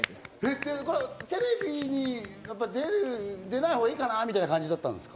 テレビに出ない方がいいかなみたいな感じだったんですか？